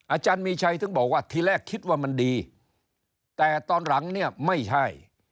อาจารย์มีชัยถึงบอกว่าทีแรกคิดว่ามันดีแต่ตอนหลังเนี่ยไม่ใช่